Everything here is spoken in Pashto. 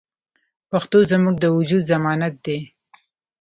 پښتو زموږ د وجود ضمانت دی.